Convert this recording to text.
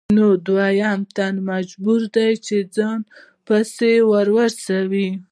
نو دویم تن مجبور دی چې ځان پسې ورسوي